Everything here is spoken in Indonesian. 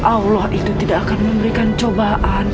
allah itu tidak akan memberikan cobaan